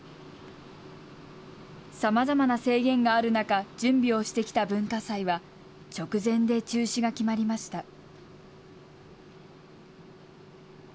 さまざまな制限がある中、準備をしてきた文化祭は直前で中止が決まりました。